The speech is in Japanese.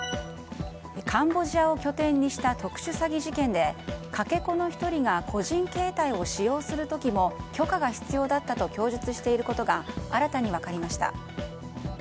カンボジアを拠点にした特殊詐欺事件でかけ子の１人が個人携帯を使用する時も許可が必要だったと供述していることが新たに分かりました。